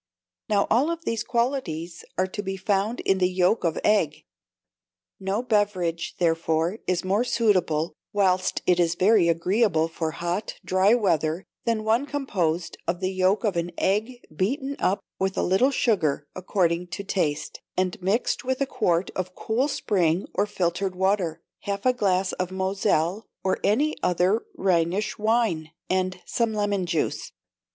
Now all these qualities are to be found in the yolk of egg. No beverage, therefore, is more suitable (whilst it is very agreeable) for hot, dry weather than one composed of the yolk of an egg beaten up with a little sugar according to taste, and mixed with a quart of cool spring or filtered water, half a glass of Moselle or any other Rhenish wine, and some lemon juice.